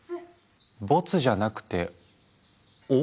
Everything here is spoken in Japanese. ボツじゃなくてＯ。